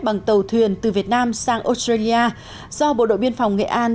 bằng tàu thuyền từ việt nam sang australia do bộ đội biên phòng nghệ an